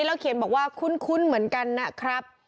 แล้วเขียนบอกว่าคุ้นเหมือนกันนะครับ